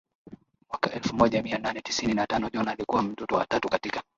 mwaka elfu moja mia nane tisini na tano John alikuwa mtoto wa tatu katika